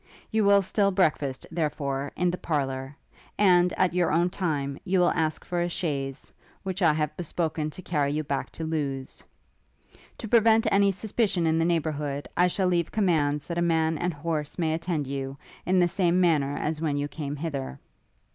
You will still breakfast, therefore, in the parlour; and, at your own time, you will ask for a chaise, which I have bespoken to carry you back to Lewes. To prevent any suspicion in the neighbourhood, I shall leave commands that a man and horse may attend you, in the same manner as when you came hither.